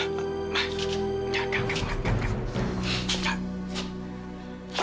enggak enggak enggak